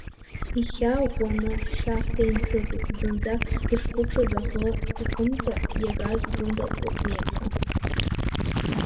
Ихьаа ӷәӷәаны ҳшьа-ҳда инҭысит зынӡа дышқәыԥшӡаз аӷа ихымца иагаз Гәында Кәыҵниаԥҳа.